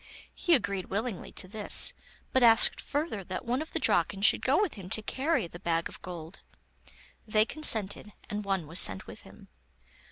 He agreed willingly to this, but asked further that one of the Draken should go with him to carry the bag of gold. They consented, and one was sent with him.